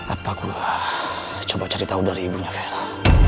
apa gue coba cari tahu dari ibunya vera